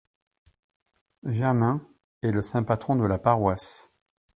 Germain est le saint patron de la paroisse.